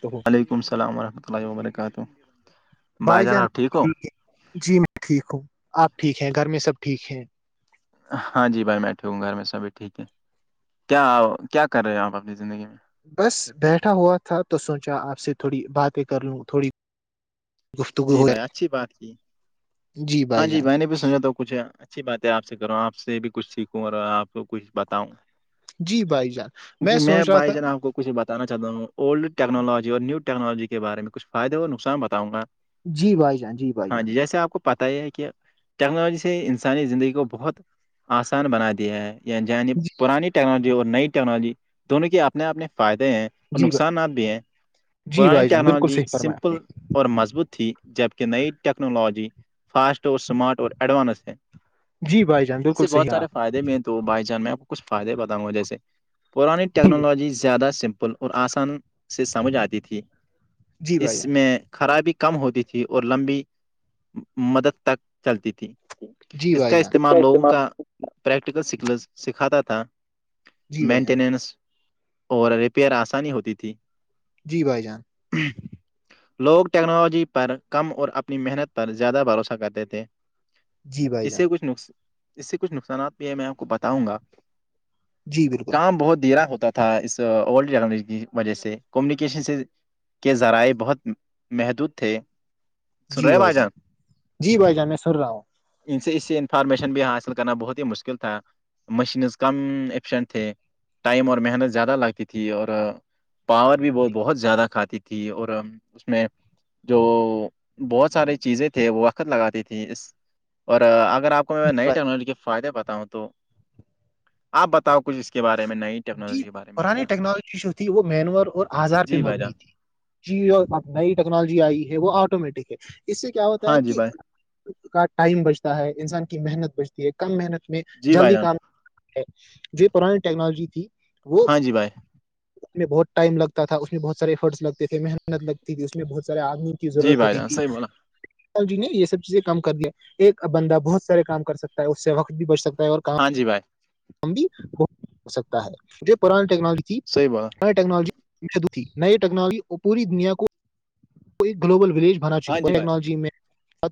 تو ہو وعلیکم السلام ورحمۃ اللہ و برکاتہ بھائی جانیک جی میں ٹھیک ہوں آپ ٹھیک ہیں گھر میں سب ٹھیک ہیں ہاں جی بھائی بیٹھے ہوں گھر میں سبھی ٹھیک ہے کیا کیا کر رہے ہو آپ اپنی زندگی میں بس بیٹھا ہوا تھا تو سوچا آپ سے تھوڑی باتیں کر لوں تھوڑی گفتگو جی ہو بھائی جائے۔ اچھی بات کی ہاں بھائی جی جان بائی نے بھی سمجھا تھا کچھ اچھی بات ہے آپ سے کروں آپ سے بھی کچھ سیکھوں اور آپ کچھ بتاؤں جی بھائی جان میں سوچ رہا تھا کھ بتانا چاہتا ہوں اولڈ ٹیکنالوجی اور نیو ٹیکنالوجی کے بارے میں کھ فائدے اور نقصان بتاؤںا جی بھائی جان جی بھائی ہاں جان جی جیسے آپ کو پت ہی ہے کہ ٹیکنالوجی سے انسانی زندگی کو بہت آسان بنا دیا ہے عنی جی پرانی ٹیکنالوجی اور نئی ٹیکنالوجی دونوں کے اپنے اپنے فائدے ہیں اور جی بھائی نقصانات بھی ہیں جی پرانی بھائی جان بالکل ٹیکنالوجی صحیح فرمایا آپ نے سمپل اور مضبوط تھی جبکہ نئی ٹیکنالوجی فاسٹ اور اسمارٹ اور ایڈوانس ہے جی بھائی جان اس بالکل سے بہت صحیح سارے آپ نے فائدے میں تو بائی چانس میں آپ کو کھ فائدے بتاؤںا و جیسے پرانی جی ٹیکنالوجی زیادہ سمپل اور آسان سے سمجھ آتی تھی جی بھائی اس جان میں خرابی کم ہوتی تھی اور لمبی مدد تک چلتی تھی جی اس بھائی کا جان استعمال لوگوں کا پریکٹیکل سکلز سکھاتا تھا جی بھائی جان مینٹیننس اور ریپیئر آسانی ہوتی تھی جی بھائی جان لوگ ٹیکنالوجی پر کم اور اپنی محنت پر زیادہ بھروسہ کرتے تھے جی بھائی اس جان اس سے کچھ نقصانات بھی ہیں میں آپ کو بتاؤں گا جی بالکل کام بہت دیرا ہوتا تھا تھا اسلڈ ٹیکنالوج کی وجہ سے کمیونکیشن سے کے ذرائع بہت محدود تھے جی بھائی جان جی بھائی جان میں سر رہا ہوں ان سے اس سے انفارمیشن بھی حاصل کرنا بہت ہی مشکل تھا مشینز کم اشن تھے ٹائم اور محنت زیادہ لگتی تھی اور پاور بھی وہ بہت زیادہ کھاتی تھی اور اس میں جو بہت سارے چیزیں تھے وہ وقت لگاتی تھھی اس اور اگر آپ جی بھائی اپ بتاؤ کچھ اس کے بارے میں نہیں جی پرانی ٹیکنالوجی جو تھی وہ مینور اور آزار پہ جی بھائی جان مبنی تھی جی جو نئی ٹیکنالوجی آئی ہے وہ آٹومیٹک ہے اس سے کیا ہوتا ہے ہاں جی کہ بھائی کا ٹائم بچتا ہے انسان کی محنت بچتی ہے کم محنت میں جی بھائی جلدی جان کام ہے جو پرانی ٹیکنالوجی تھی وہ ہاں جی بھائی اس میں بہت ٹائم لگتا تھا اس میں بہت سار ایفرٹس لگتے تھے محنت لگتی تھی اس میں بہت سے آدمی کی جی ضرورت بھائی ہوتی جان تھی صحیح بولا جی نے یہ سب چیزیں کم کر دیا ایک بندہ بہت سارے کام کر سکتا ہے اس سے وقت بھی بچ سکتا ہے اور ہاں کام ج بھائی بھی ہو سکتا ہے جو پرانی ٹیکنالوجی صیبا ٹیکنالوجی شد تھی نئی ٹیکنالوجی اور پوری دنیا کو گلوبل ولیج بنا ہاں چکی جی بھائی ٹیکنالوجی میں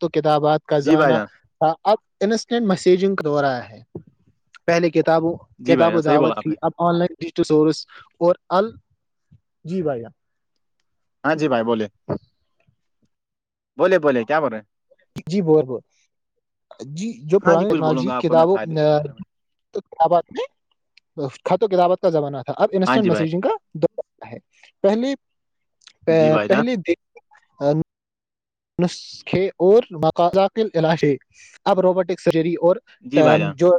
تو کتابات کا جی بھائی زمانہ جان تھا اب انسٹنٹ میسیجنگ دورا ہے پہلی کتابوں جی بھائی کتاب و جان صحیح دعوت بولا آپ تھی نے اب آن لائن ڈجٹل سورس اور ال جی بھیا ہاں جی بھائی بوولے بولے بولے کیا بول رہے ہیں جی ب ب جی جو ہیں ہاں جی پرانی کچھ بولوں ٹیکنالوجی گا آپ کو میں کتابوں فائدے اس کے بارے میں کب میں خط و کتابت کا زمانہ تھا اب ہاں انسٹنٹ جی بھائی مسیجنگ کا پہلی جی بھائی جان پہلی د نسخے اور مقذاکل علاش ہے اب روبوٹک سرجری اور جی بھائی جان جو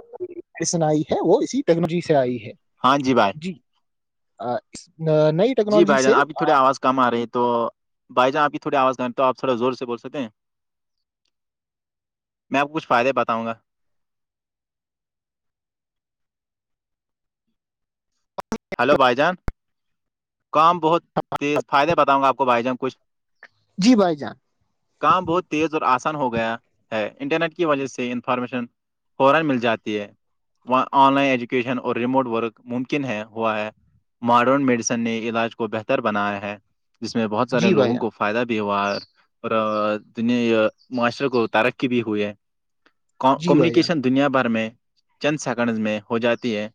من آئی ہے وہ اسی ٹیکنالوجی سے آئی ہے ہاں جی بائےائی جی نہیں جی بھائی جان آپھی تھوڑی آواز کم آ رہی ہے تو بھائی جان آپ بھی تھوڑی آواز کم رہ ہیں تو آپ تھوڑا زور سے بول سکتے ہیں میں آپ کچھ فائدے بتاؤ گا ا ہلو بھائی جان کام بہت تیز فائدے بتاؤں گا آپ کو بھائی جان کچھ جی بھائی جان کام بہت تیز اور آسان ہو گیا ہے انٹرنیٹ کی وجہ سے انفارمیشن فورا مل جاتی ہے وہاں آن لائن ایجوکیشن اور ریموٹ ورک ممکن ہے ہوا ہے ماڈرن میڈیسن نے علاج کو بہتر بنایا ہے جس میں بہت سارے جی بھائی لوگوں جان کو فائدہ بھی ہوا اور دنیا معاشرے کو ترقی بھی ہوئی ہے جی بھائی جان کومیونیکیشن دنیا بھر میں چند سیکنڈز میں ہو جاتی ہے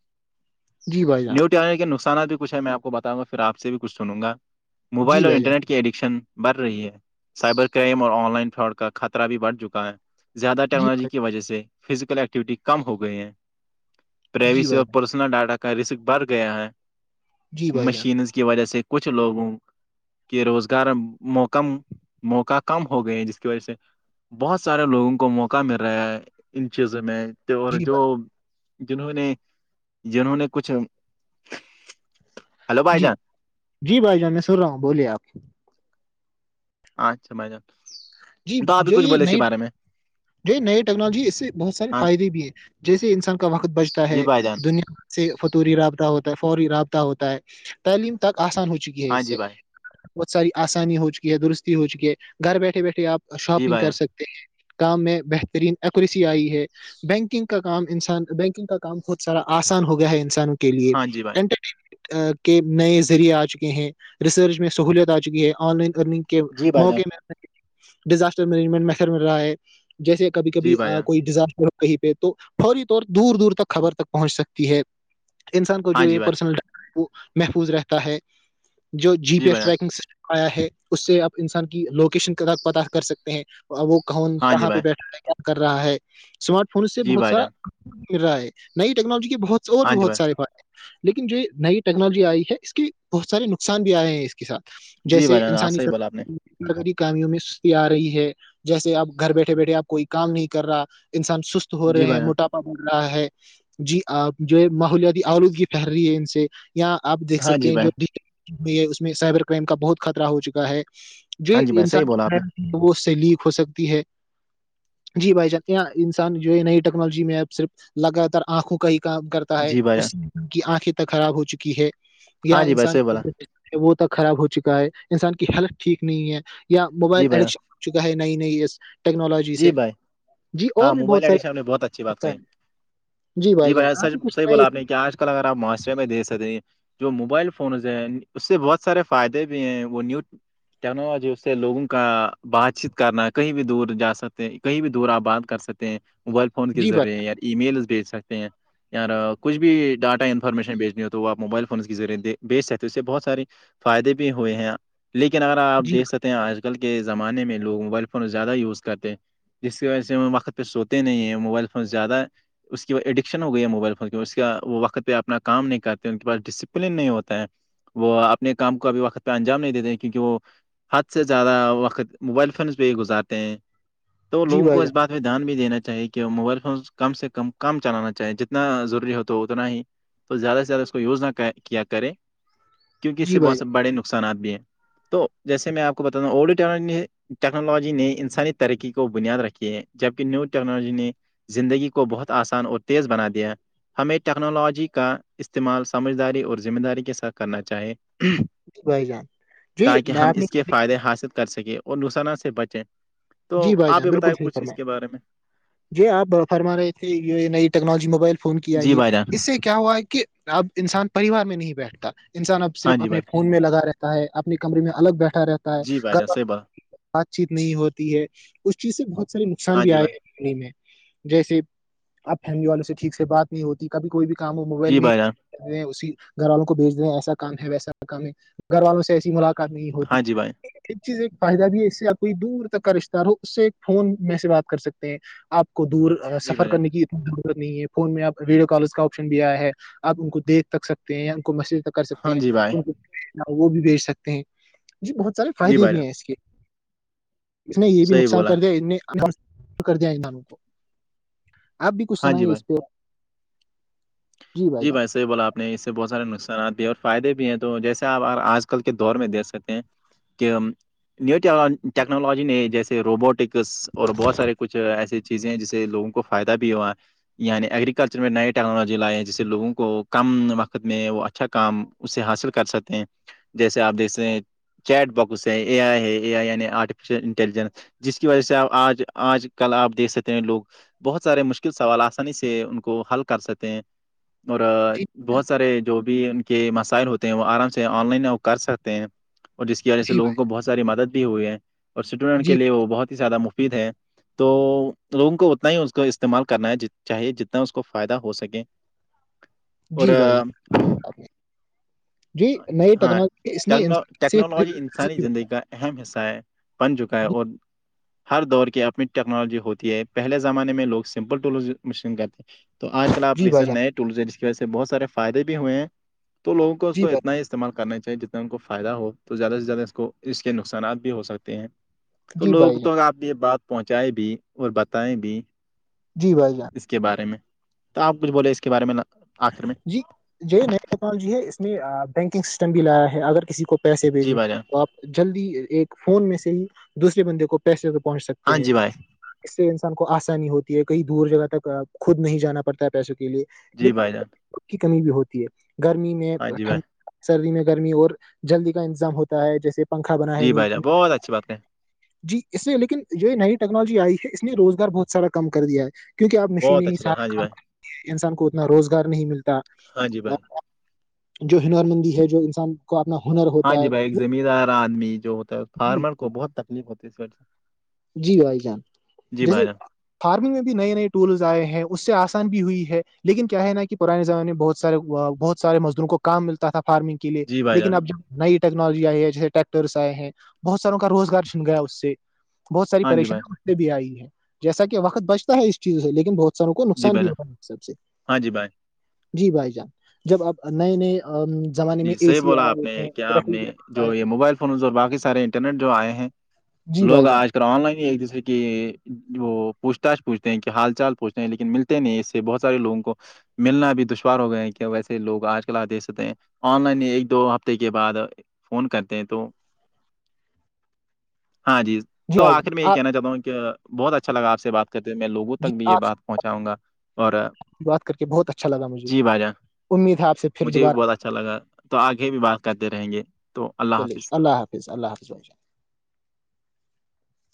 جی بھائی جان آنے کے نقصانات بھی کھ ہے میں آپ کو بتاؤ گا پھر آ سے بھی کچھ سنوں گا جی موبائل اور بھائی جان انٹرنیٹ کے ایڈکشن بڑھ رہی ہے سائبر کرائم اور آن لائن فراڈ کا خطرہ بھی بڑھ چکا ہے زیادہ جی ٹیکنالوجی کی وجہ سے فزیکل ایکٹیوٹی کم ہو گئی ہیں جی پرائیویسی اور بھائی جان پس ڈاٹا کا رسک بڑھ گیا ہے جی بھائی جان مشینز کی وجہ سے کچھ لوگوں کہ روزگار موکم موقع کم ہو گئے ہیں جس کی وجہ سے بہت سارے لوگوں کو موقع مل رہا ہے ان چیزوں میں اور جی جو جنہوں نے جنہوں نے کچھ بھائی جی جان جی بھائی جان میں سن رہا ہوں بولیے آپ اچھا بھائی جان تو آپ بھی جو کچھ یہ بولے اسی نئی بارے میں جی نئی ٹیکنالج اس سے بہت سے ہاں فائدے بھی ہے جیسے انسان کا وقت بچتا جی ہے بھائی جان دنیا سے فطوری رابطہ ہوتا ہے فوری رابطہ ہوتا ہے تعلیم تک آسان ہو چکی ہے ہاں اس جی سے بھائی بہت ساری آسانی ہو چکی ہے درستی ہو چکی ہے گھر بیٹھے بیٹھے آپ جی شاپنگ بھائی کر جان سکتے کام میں بہترین ایککریسی آئی ہے بینکنگ کا کام انسان بینکنگ کا کام بہت سارا آسان ہو گیا ہے انسانوں کے کے لیے ہاں جی بھائی این کے نئے ذریعے آ چکے ہیں ریسرچ میں سہولت آ چکی ہے آن لائن ارننگ کہ جی بھائی جان موقے ملتے ڈیزاسٹر مینجمنٹ میتھڈ میں رہا ہے جیسے کبھی جی کبھی بھائی جان کوئی ڈیزاسٹر کہیں پہ تو فوری طور دور دور تک خبر تک پہنچ سکتی ہے انسان کو ہاں جو یہ جی بھائی پرسنل محفوظ رہتا ہے جو جی پی ایس بھائی جان ٹریکنگ آیا ہے اس سے آپ انسان کی لوکیشن کا پتاہ کر سکتے ہیں وہ کون ہاں جی کہاں پہ بھائی بیٹھ رہا ہے کیا کر رہا ہے اسمارٹ فون سے جی بہت بھائی سارا جان م رہا ہے نئی ٹیکنالوجی کے بہت اور بھی ہاں جی بہت بھائی سارے فائدے ہیں، لیکن جو نئی ٹیکنالوجی آئی ہے اس کے بہت سارے نقصان بھی آئے ہیں اس کے ساتھ جی جیسے بھائی جان ہاں انسانی صحیح بولا آپ نے کاموں میں سستی آ رہی ہے جیسے اپ گھر بیٹھے بیٹھے آپ کوئی کام نہیں کر رہا انسان سست ہو جی رہے بھائی ہیں جان موٹاپا بھ رہا ہے جی جو ماحولیاتی آلودگی پھیہر رہی ہے ان سے یہاں آپ دیکھ ہاں سکتے جی ہیں جو بھائی ڈ ہے اس میں سائبر کرائم کا بہت خطرہ ہو چکا ہے جو ہاں جی بھائی صحیح انسان جو بولا آپ نے پ وہ اس سے لیک ہو سکتی ہے جی بھائی جان یہاں انسان جو ہے نئی ٹیکنالوجی میں آپ صرف لگاتار آنکھوں کا ہی کام کر ہے جی بھائی جان اس سے ان کی آنکھیں تک خراب ہو چکی ہے یا ہاں جی بھائی انسان صحیح بولا وہ تو خراب ہو چکا ہے انسان کی ہیلتھ ٹھیک نہیں ہے یا موبائل جی بھائی ایڈکشن چکا ہے نئی نئی اس ٹیکنالوجی جی سے بھائی جی ہاں اور بھی موبائل بہت سارے ایڈکشن آپ نے بہت اچھی بات کہی نقص جی بھائی جان آپ بھی کچھ لیر آپ معاشرے میں دے سکتے ہیں جو موبائل فونز ہے اس سے بہت سارے فائدے بھی ہیں وہ نیو ٹیکنالوجی اس سے لوگوں کا بات چیت کرنا کہیں بھی دور جا سکتے ہیں کہیں بھی دور آپ بات کر سکتے ہیں موبائل فون کے جی بھائی ذریعے جان یا ای میلز بھیج سکتے ہیں یار کچھ بھی ڈاٹا انفارمیشن بیچنی ہو تو وہ آپ موبائل فونس کے ذریعے بیچ سکتے ہو اس سے بہت ساری فائدے بھی ہوئے ہیں لیکن اگر آپ جی دیکھ سکتے ہیں آج کل کے زمانے میں لوگ موبائل فون زیادہ یوز کرتے جس کی وجہ سے ہم وقت پہ سوتے نہیں ہیں موبائل فون زیادہ اس کی ایڈکشن ہو گئی ہے موبائل فون کی اس کا وہ وقت پہ اپنا کام نہیں کرتے ان کے پاس ڈسپلن نہیں ہوتا ہے وہ اپنے کام کو ابھی وقت پہ انجام نہیں دیتے کیونکہ وہ حد سے زیادہ وقت موبائل فونز پہ ہی گزارتے ہیں تو جی لوگوں کو بھائی اس جان بات دھیان بھی دینا چاہیے کہ موبائل فونس کم سے کم کم چلانا چاہیے جتنا ضروری ہوتا اتنا ہی تو زیادہ سے زیادہ اس کو یوز نہ کیا کریں کیونکہ اس جی سے بھائی بہت س جان بڑے نق نقصانات بھی ہیں تو جیسے میں آپ کو بتاا ہوں اڈو ٹیکنالوجی نے انسانی ترقی کو بنیاد رکھی ہے جبکہ نیو ٹیکنالوجی نے زندگی کو بہت آسان اور تیز بنا دیا ہمیں ٹیکنالوجی کا استعمال سمجھداری اور ذمہ داری کے ساتھ کرنا چاہیے جی بھائی جان جی تاکہ ہم آپ نے اس کے فائدے حاصل کر سکیں اور نصانہ سے بچیں تو جی بھائی آپ جان یہ بالکل بتائیں صحیح کچھ فرما اس کے بارے میں جی آپ فرما رہے تھے یہ نئی ٹیکنالوجی موبائل فون کی جی آئی ہے بھائی جان اس سے کیا کیا ہوا ہے کہ اب انسان پریوار میں نہیں بیٹھتا انسان اب ہاں صرف جی اپنے بھائی ون میں لگا رہتا ہے اپنے کمرے میں الگ بیٹھا رہتا جی بھائی جان ہےگر صحیح بات بات چیت نہیں ہو ہے اس چیز سے بہت سارے نقصان ہاں بھی جی آئے بھائی ہیں ف میں جیسے آپ فیملی والوں سے ٹھیک سے بات نہیں ہوتی کبھی کوئی بھی کام ہو موبائل جی میں بھائی جان اسی گھر والوں کو بھیج دے ہیں ایسا کام ہے ویسا کام ہے گھر والوں سے ایسی ملاقات نہیں ہوتی ہاں جی بھائی ایک چیز ایک فائدہ بھی ہے اس سے آپ کوئی دور کا رشتے دار ہو اس سے ایک فون میں سے بات کر سکتے ہیں آپ کو دور جی سفر بھائی جان کرنے کی ضرورت نہیں ہے فون میں آپ ویڈیو کالر کا آپشن بھی آیا ہے آپ ان کو دیکھ تک سکتے ہیں ان کو میسج تک کر سکتے ہاں ہیں جی بھائی ان کو وہ بھی بیچ سکتے ہیں جی بہت سارے جی فائدے بھائی بھی جان ہیں اس کے اس نے یہ بھی صحیح نقصان بولا کر دیا ا کر دیا انسانوں کو آپ بھی کچھ ہاں جی سنائے بھائی اس پہ بھائی جی جان بائی سر سے بولا آپ نے اس سے بہت سارے نقصانات بھی اور فائدے بھی ہیں تو جیسے آپ آج کل کے دور میں دیکھ سکتے ہیں کہ نی ٹیکنالوجی نے جیسے روبوٹکس اور بہت سارے کچھ ایسے چیزیں ہیں جس لوگوں کو فائدہ بھی ہوا یعنی ایگررییکلچر میں نئے ٹیکنالوجی لائے ہیں جس لوگوں کو کم وقت میں وہ اچھا کام اس سے حاصل کر سکتے ہیں جیسے آپ دیکھتے ہیں چیٹ باکس ہے اے آئی ہے اے آئی یعنی آرٹیفیشیل انٹیلیجنس جس کی وجہ سے آپ آج آج کل آپ دیکھ سکتے ہیں لوگ بہت سارے مشکل سوال آسانی سے ان کو حل کر سکتے ہیں اور جی بہت سارے جو بھی ان کے مسائل ہوتے ہیں وہ آرام سے آن لائن کر سکتے ہیں اور جس کی وجہ سے جی لوگوں بھائی کو بہت ساری مدد بھی ہوئی ہے اور سٹن کے لیے جان وہ بہت ہی زیادہ مفید ہے تو لوگوں کو اتنا ہی اس کا استعمال کرنا ہے چاہیے جتنا اس کو فائدہ ہو سکے اور جی بھائی جان جی بھائی جان آپ نے جی نئی ہاں ٹیکنالوجی اس نے ٹیکن انسان کی ٹیکنالوجی کی وجہ سے انسانی زندگی کا اہم حصہ ہے بن چکا ہے بھی- اور ہر دور کے اپنی ٹیکنالوجی ہوتی ہے پہلے زمانے میں لوگ سمپل ٹول مشین کہتے ہیں تو آج کل پ جی دیک بھائی جان نئے ٹولس جس کی وجہ سے بہت سارے فائدے بھی ہوئے ہیں تو لگوں کو اس کو جی بھائی اتنا استعمال کرنا چاہیے جتنا ان کو فائدہ ہو تو زیادہ سے زیادہ اس کو اس لیے نقصانات بھی ہو سکتے ہیں جان، تو جی لوگ بھائی جان تو آپ یہ بات پہنچائیں بھی اور بتائیں بھی جی بھائی جان اس کے بارے میں تو آپ کچھ بولے اس کے بارے میں آخر میں جی یہ نیا ٹیکنالوجی ہے اس میں بینکنگ سسٹم بھی لایا ہے اگر کسی کو پیسے جی بھیجنے بھائی جان آپ جلدی ایک فون میں سے ہی دوسے بندے کو پیسے کے پہنچ سکتے ہاں کہ جی بھائی اس سے انسان کو آسانی ہوتی ہے کہیں دور جگہ تک خود نہیں جانا پڑتا ہے پیسوں کے لیے جی لیکن بھائی جان وقت کی کمی بھی ہوتی ہے گرمی میں ہاں جی بھائی ٹھنڈ سردی میں گرمی اور جلدی کا انتظام ہوتا ہے جیسے پنکھا بنا ہے جی نی بھائی جان بہت اچھی بات ہے جی اس نے لیکن یہ نئی ٹیکنالوجی آئی ہے اس نے روزگار بہت سارا کم کر دیا ہے کیونکہ آپ نشین بہت ہی اچھی بات سارا ہاں جی کام بھائی کر انسان کو اتنا روزگار نہیں ملتا ہاں جی بھائی جو ہنر مندی ہے جو انسان کو اپنا ہنر ہاں ہوتا جی بھائی ایک ہے زمیندار آدمی جو ہوتا ہے جی فارمر کو بہت تکلیف ہوتی ہے اس گھر سے جی بھائی جان جی جیسے بھائی جان فارمنگ میں بھی نئے نئے ٹولس آئے ہیں اس سے آسان بھی ہوئی ہے لیکن کیا ہے نا کہ پرانے زمانے میں بہت سارے بہت سے مزدوروں کو کام ملتا تھا فارمنگ کے لیے جی بھائی جان لیکن اب جب نئی ٹیکنالوجی آئی ہے جیسے ٹریکٹرس آئے ہیں بہت ساروں کا روزگار چن گیا اس سے بہت ساری ہاں جی بھائی پریشانیں اس پ سے بھی آئی ہے جیسا کہ وقت بچتا ہے اس چیز سے لیکن بہت سروں کو جی نقصان بھائی بھی جان ہوگا سب سے ہاں جی بھائی جی بھائی جان جب آپ نئے نئے زمانے میں جی اے صحیح سی بولا آئے آپ نے ہیں کیا آپ نے ریفریجریٹر آئے جو یہ موبائل فون اور باقی سارے انٹرنیٹ جو آئے ہیں جی لوگ بھائی جان آج کل آن لائن ہی ایک دوسرے کی وہ پوچھ تچھ پوچھتے ہیں کہ حال چال پوچھتے ہیں لیکن ملتے نہیں اس سے بہت سارے لوگوں کو ملنا بھی دشوار ہو گئے کہ ویسے لوگ آج کل آ دیکھتے ہیں آن لائن ایک دو ہفتے کے بعد فون کرتے ہیں تو ہاں جی تو بھائی جان آخر میں یہ آپ کہنا چاہتا ہوں کہ بہت اچھا لگا آپ سے بات کہتے میں لوگوں جی تک بھی یہ آپ سے بات پہنچاؤں گا اور بات کر کے بہت اچھا لگا مجھے جی باجا امید ہے آپ سے پھر دوبارہ اچھا ہوگی۔ لگا تو آگے بھی بات کرتے رہیں گے تو اللہ چلیے حافظ اللہ اللہ حافظ